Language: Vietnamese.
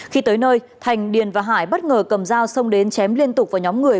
khi tới nơi thành điền và hải bất ngờ cầm dao xông đến chém liên tục vào nhóm người